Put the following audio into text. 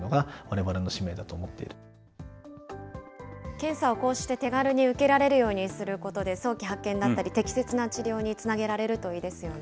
検査をこうして手軽に受けられるようにすることで、早期発見だったり、適切な治療につなげられるといいですよね。